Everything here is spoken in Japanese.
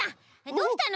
どうしたの？